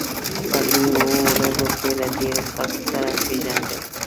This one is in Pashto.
په دې اوو ورځو کې له ډېرو خلکو سره پېژندل.